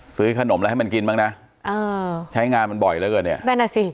ซื้อขนมแล้วให้มันกินบ้างนะเอ่อใช้งานมันบ่อยแล้วกันเนี้ยได้น่ะสิ